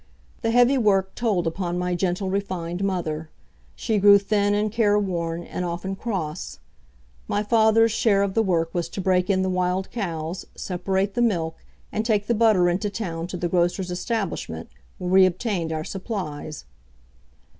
The heavy work told upon my gentle, refined mother. She grew thin and careworn, and often cross. My father's share of the work was to break in the wild cows, separate the milk, and take the butter into town to the grocer's establishment where we obtained our supplies.